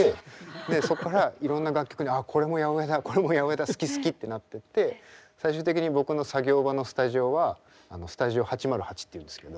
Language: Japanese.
でそっからいろんな楽曲にああこれも８０８だこれも８０８だ好き好きってなってって最終的に僕の作業場のスタジオはスタジオ８０８っていうんですけど。